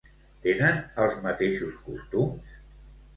Tenen els mateixos costums?